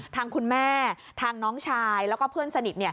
ทางคุณแม่ทางน้องชายแล้วก็เพื่อนสนิท